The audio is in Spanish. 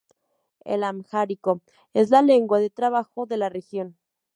El amhárico es la lengua de trabajo de la región.